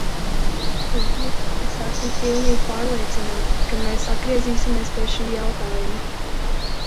Tādēļ es esmu pilnīgi pārliecināta, ka mēs atgriezīsimies pie šī jautājuma.